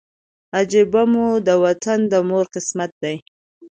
عجیبه مو د وطن د مور قسمت دی